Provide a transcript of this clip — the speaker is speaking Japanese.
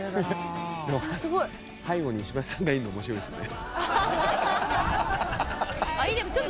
背後に石橋さんがいるの面白いですね。